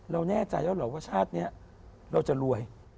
แน่ใจแล้วเหรอว่าชาตินี้เราจะรวย